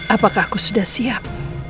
apakah aku sudah siap